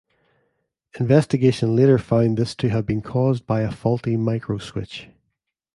Investigation later found this to have been caused by a faulty micro switch.